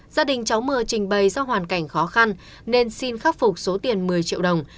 gia đình cháu mờ trình bày do hoàn cảnh khó khăn nên xin khắc phục số tiền một mươi triệu đồng